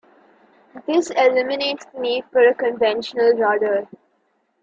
This eliminates the need for a conventional rudder.